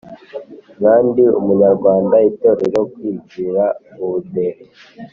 nka ndi umunyarwanda, itorero, kwigira, ubudehe,